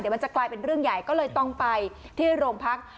มันจะกลายเป็นเรื่องใหญ่ก็เลยต้องไปที่โรงพัก